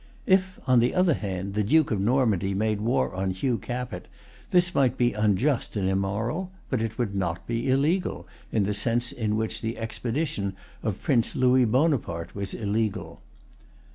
If, on the other hand, the Duke of Normandy[Pg 181] made war on Hugh Capet, this might be unjust and immoral; but it would not be illegal, in the sense in which the expedition of Prince Louis Bonaparte was illegal.